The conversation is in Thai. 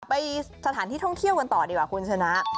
ไปสถานที่ท่องเที่ยวกันต่อดีกว่าคุณชนะ